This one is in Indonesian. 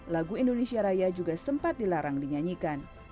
lagu indonesia raya juga sempat dilarang dinyanyikan